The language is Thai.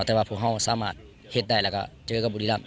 แต่ว่าภูเขาสามารถเฮ็ดได้แล้วก็เจอกับบุรีรำ